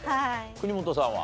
国本さんは？